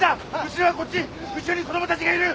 後ろに子供たちがいる！